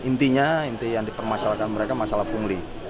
intinya yang dipermasalahkan mereka masalah pungli